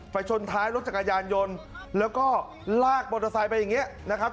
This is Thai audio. ชนท้ายรถจักรยานยนต์แล้วก็ลากมอเตอร์ไซค์ไปอย่างนี้นะครับ